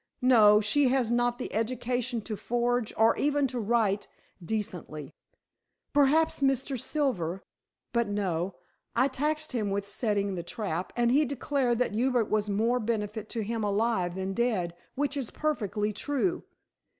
"No. She has not the education to forge, or even to write decently." "Perhaps Mr. Silver but no. I taxed him with setting the trap, and he declared that Hubert was more benefit to him alive than dead, which is perfectly true.